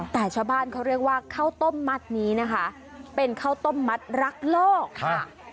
แต่ชาวบ้านเขาเรียกว่าข้าวต้มมัดนี้นะคะเป็นข้าวต้มมัดรักโลกค่ะ